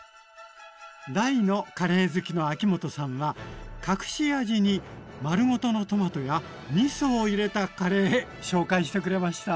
大のカレー好きの秋元さんは隠し味にまるごとのトマトやみそを入れたカレー紹介してくれました。